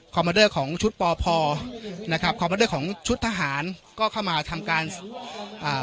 มาเดอร์ของชุดปอพอนะครับคอมมาเดอร์ของชุดทหารก็เข้ามาทำการอ่า